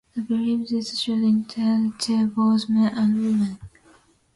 They believe this should extend to both men and women.